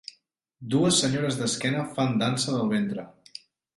Dues senyores d'esquena fan dansa del ventre.